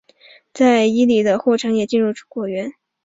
在伊犁的霍城也进入果园。